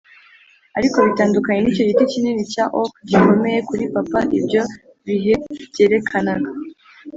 ariko bitandukanye nicyo giti kinini cya oak gikomeye, kuri papa ibyo bihe byerekanaga.